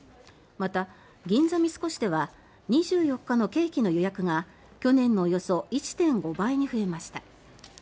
また、銀座三越では２４日のケーキの予約が去年のおよそ１．５倍に増えました。